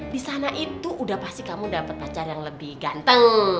disana itu udah pasti kamu dapet pacar yang lebih ganteng